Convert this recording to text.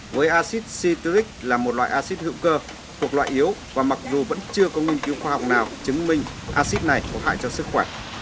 với acid cityc là một loại acid hữu cơ thuộc loại yếu và mặc dù vẫn chưa có nghiên cứu khoa học nào chứng minh acid này có hại cho sức khỏe